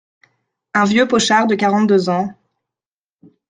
Un vieux pochard de quarante-deux ans…